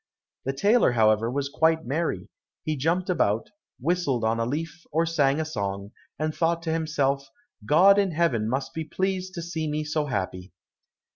The tailor, however, was quite merry, he jumped about, whistled on a leaf, or sang a song, and thought to himself, "God in heaven must be pleased to see me so happy."